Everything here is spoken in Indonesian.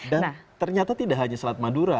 dan ternyata tidak hanya selat madura